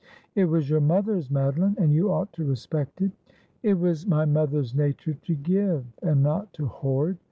' It was your mother's, Madoline, and you ought to respect it.' ' It was my mother's nature to give, and not to hoard.